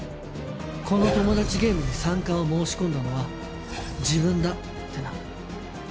「このトモダチゲームに参加を申し込んだのは自分だ」ってな。